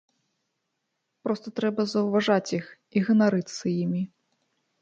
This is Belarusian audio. Проста трэба заўважаць іх і ганарыцца імі.